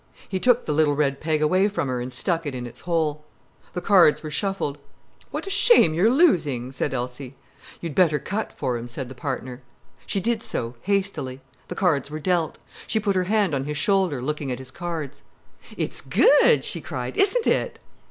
He took the little red peg away from her and stuck it in its hole. The cards were shuffled. "What a shame you're losing!" said Elsie. "You'd better cut for him," said the partner. She did so, hastily. The cards were dealt. She put her hand on his shoulder, looking at his cards. "It's good," she cried, "isn't it?"